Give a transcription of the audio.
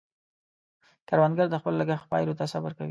کروندګر د خپل کښت پایلو ته صبر کوي